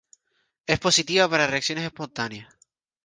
Es positiva para reacciones espontáneas.